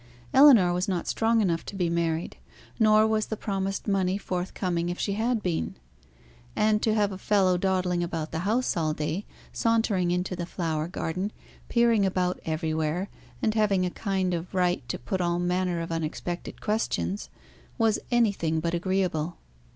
Ellinor was not strong enough to be married; nor was the promised money forthcoming if she had been. And to have a fellow dawdling about the house all day, sauntering into the flower garden, peering about everywhere, and having a kind of right to put all manner of unexpected questions, was anything but agreeable.